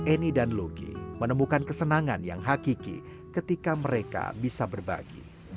eni dan luki menemukan kesenangan yang hakiki ketika mereka bisa berbagi